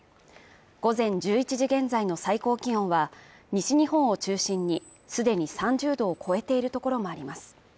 午前１１時現在の最高気温は西日本を中心に既に３０度を超えているところもあります。